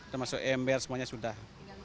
termasuk ember semuanya sudah